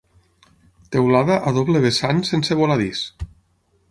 Teulada a doble vessant sense voladís.